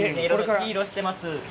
いい色をしています。